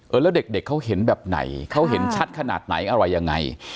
แล้วเด็กเขาเห็นแบบไหนเขาเห็นชัดขนาดไหนอะไรยังไง